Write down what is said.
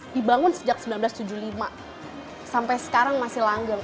dibangun sejak seribu sembilan ratus tujuh puluh lima sampai sekarang masih langgeng